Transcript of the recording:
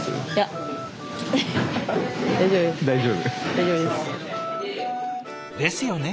大丈夫です。ですよね。